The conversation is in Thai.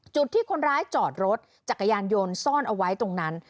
จุดที่คนร้ายจอดรถจักรยานยนต์ซ่อนเอาไว้ตรงนั้น